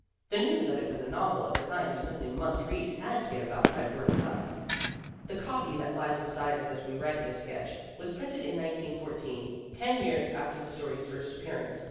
The news that it was a novel of the kind you simply must read had to get about by word of mouth. The copy that lies beside us as we write this sketch was printed in 1914, ten years after the story's GENE STRATTON PORTER 99 first appearance.